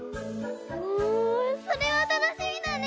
おおそれはたのしみだね！